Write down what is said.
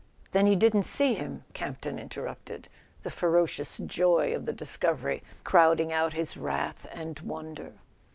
"Then he didn't see him?" Camp ton interrupted, the ferocious joy of the discovery crowding out his wrath and wonder.